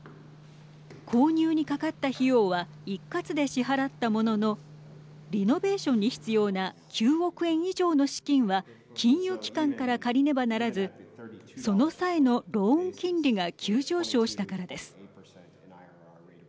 購入にかかった費用は一括で支払ったもののリノベーションに必要な９億円以上の資金は金融機関から借りねばならずその際のローン金利が急上昇したからです。